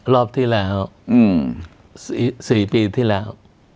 รอบที่แล้ว๔ปีที่แล้ว